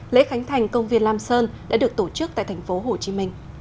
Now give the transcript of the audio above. lễ khánh thành công viên lam sơn đã được tổ chức tại tp hcm